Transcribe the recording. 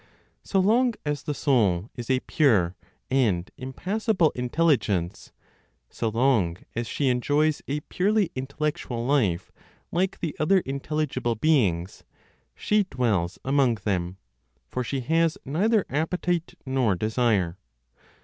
So long as the soul is a pure and impassible intelligence, so long as she enjoys a purely intellectual life like the other intelligible beings, she dwells among them; for she has neither appetite nor desire.